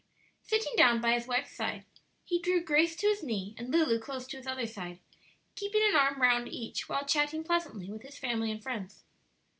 Sitting down by his wife's side, he drew Grace to his knee and Lulu close to his other side, keeping an arm round each while chatting pleasantly with his family and friends.